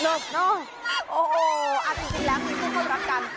โอ้โฮอาทิตย์ที่แล้วคุณพวกเขารักกัน